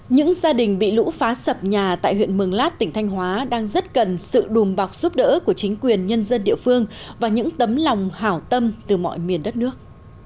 những gia đình bị lũ phá sập nhà tại huyện mường lát tỉnh thanh hóa đang rất cần sự đùm bọc giúp đỡ của chính quyền nhân dân địa phương và những tấm lòng hảo tâm từ mọi miền đất nước